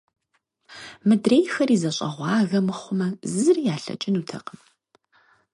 Мыдрейхэри зэщӀэгъуагэ мыхъумэ, зыри ялъэкӀынутэкъым.